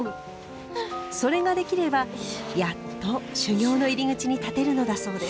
それができればやっと修行の入口に立てるのだそうです。